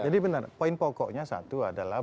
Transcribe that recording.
jadi benar poin pokoknya satu adalah